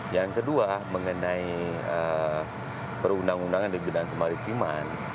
yang kedua mengenai perundang undangan di bidang kemaritiman